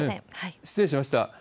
失礼しました。